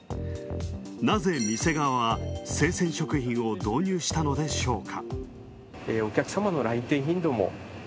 なぜ、店側は生鮮食品を導入したのでしょうか。